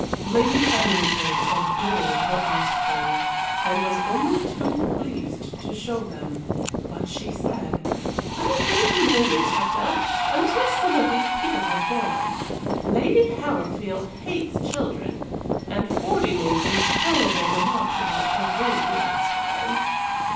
Lady Anningford adored her offspring, and was only too pleased to show them; but she said: "Oh, wait a moment, Hector, until some of these people have gone. Lady Harrowfield hates children, and Fordy made some terrible remarks about her wig last time."